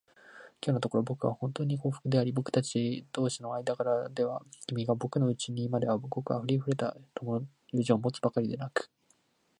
きょうのところは、ぼくがほんとうに幸福であり、ぼくたち同士の間柄では、君がぼくのうちに今ではごくありふれた友人を持つばかりでなく、